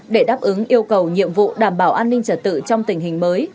để đáp ứng yêu cầu nhiệm vụ đảm bảo an ninh trật tự trong tình hình mới